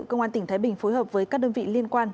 công an tỉnh thái bình phối hợp với các đơn vị liên quan